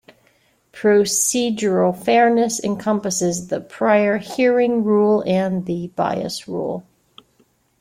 Procedural fairness encompasses the prior hearing rule and the bias rule.